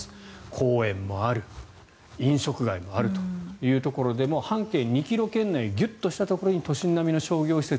公園もある飲食街もあるというところで半径２ｋｍ圏内ギュッとしたところに都心並みの商業施設